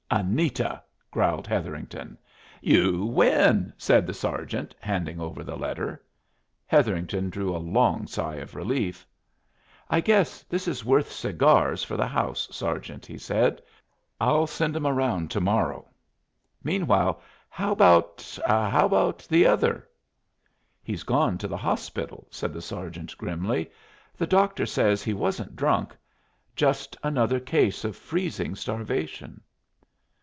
"'Anita'!" growled Hetherington. "You win!" said the sergeant, handing over the letter. Hetherington drew a long sigh of relief. "I guess this is worth cigars for the house, sergeant," he said. "I'll send 'em round to morrow meanwhile, how about how about the other?" "He's gone to the hospital," said the sergeant, grimly. "The doctor says he wasn't drunk just another case of freezing starvation."